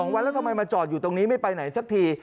วันแล้วทำไมมาจอดอยู่ตรงนี้ไม่ไปไหนสักที